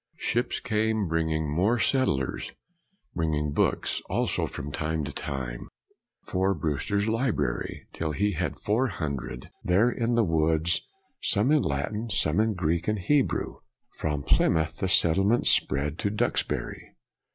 Ships came bringing more settlers; bringing books, also, from time to time, for Brewster's library, till he had four hundred, there in the woods, some in Latin, some in Greek and Hebrew. From Plymouth, the settlement spread to Duxbury.